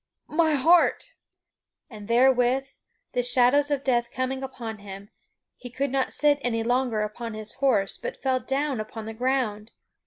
My heart!" And therewith, the shadows of death coming upon him, he could not sit any longer upon his horse, but fell down upon the ground.